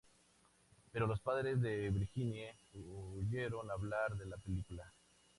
Pero los padres de Virginie oyeron hablar de la película.